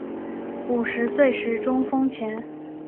五十岁时中风前